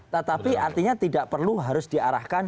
tetapi artinya tidak perlu harus diarahkan